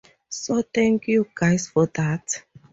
So thank you guys for that.